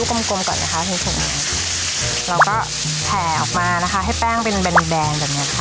ก้มก่อนการแล้วก็แผลออกมานะคะให้แป้งเป็นแบนแดงดังนี้ค่ะ